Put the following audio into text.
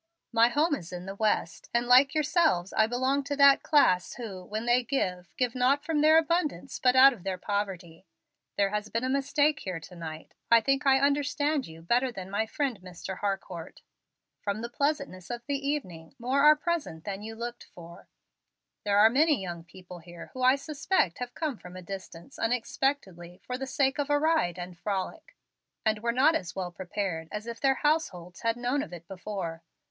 My home is in the West, and, like yourselves, I belong to that class who, when they give, give not from their abundance, but out of their poverty. There has been a mistake here to night. I think I understand you better than my friend Mr. Harcourt. From the pleasantness of the evening mote are present than you looked for. There are many young people here who I suspect have come from a distance, unexpectedly, for the sake of a ride and frolic, and were not as well prepared as if their households had known of it before.